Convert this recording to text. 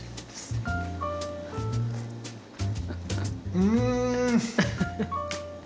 うん！